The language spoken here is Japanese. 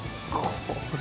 これ。